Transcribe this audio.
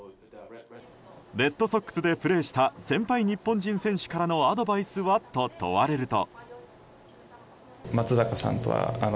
レッドソックスでプレーした先輩日本人選手からのアドバイスは？と問われると。